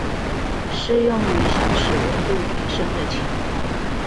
適用於想使溫度提升的情況